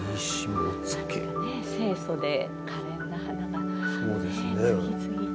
清そでかれんな花がね次々と。